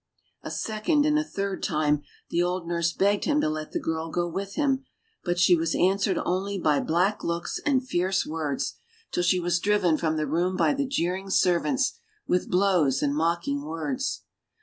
A second, and then a third time, the old nurse begged him to let the girl go with him, but she was answered only by black looks and fierce words, till she was driven from the room by the jeering servants, with blows and mocking words.